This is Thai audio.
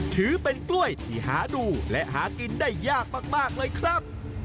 ถือเป็นกล้วยที่หาดูและหากินได้ยากมากเลยครับ